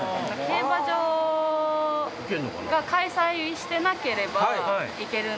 競馬場が開催してなければ行けるんで。